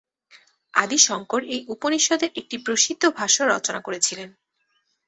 আদি শঙ্কর এই উপনিষদের একটি প্রসিদ্ধ ভাষ্য রচনা করেছিলেন।